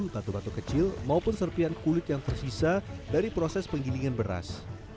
batu batu kecil maupun serpian kulit yang tersisa dari proses penggilingan beras